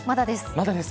まだです。